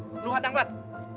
belum ada yang buat